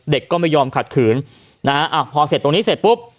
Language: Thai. เด็กก็ไม่ยอมขาดขืนพอตรงนี้เสร็จปุ๊บ